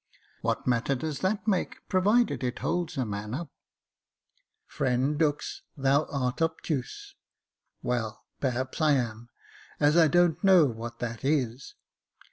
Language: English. " What matter does that make, provided it holds a man up ?"" Friend Dux, thou art obtuse." " Well, perhaps I am, as I don't know what that is."